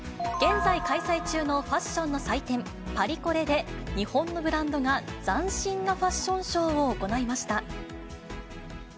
現在開催中のファッションの祭典、パリコレで、日本のブランドが斬新なファッションショーを行いました。